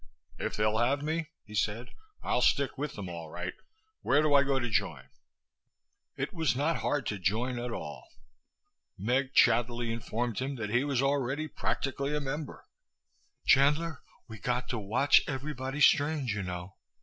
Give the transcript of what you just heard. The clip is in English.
"If they'll have me," he said, "I'll stick with them, all right! Where do I go to join?" It was not hard to join at all. Meg chattily informed him that he was already practically a member. "Chandler, we got to watch everybody strange, you know.